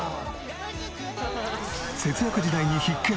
節約時代に必見！